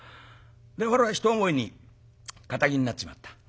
で俺は一思いに堅気になっちまった。